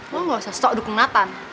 lo ga usah sok dukung nathan